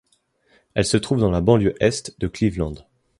Elle se trouve dans la banlieue Est de Cleveland.